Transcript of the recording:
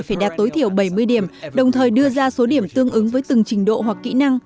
phải đạt tối thiểu bảy mươi điểm đồng thời đưa ra số điểm tương ứng với từng trình độ hoặc kỹ năng